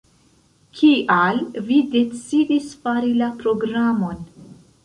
Kial vi decidis fari la programon?